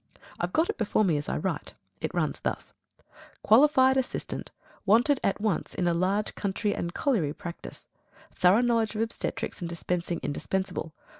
I've got it before me as I write. It runs thus: Qualified Assistant. Wanted at once in a large country and colliery practice. Thorough knowledge of obstetrics and dispensing indispensable.